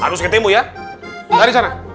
harus ketemu ya dari sana